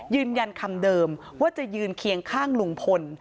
ยืนยันคำเดิมว่าจะยืนเคียงข้างลุงพล